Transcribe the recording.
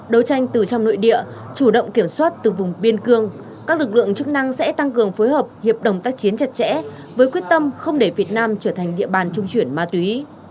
đấu tranh từ trong nội địa chủ động kiểm soát từ vùng biên cương các lực lượng chức năng sẽ tăng cường phối hợp hiệp đồng tác chiến chặt chẽ với quyết tâm không để việt nam trở thành địa bàn trung chuyển ma túy